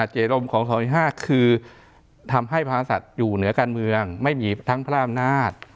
เจรมของ๒๕คือทำให้พระศัตริย์อยู่เหนือการเมืองไม่มีทั้งพระอำนาจ